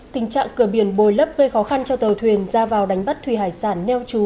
tình trạng cửa biển bồi lấp gây khó khăn cho tàu thuyền ra vào đánh bắt thủy hải sản neo trú